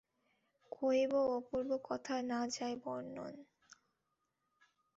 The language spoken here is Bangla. কহিব অপূর্ব কথা না যায় বর্ণন।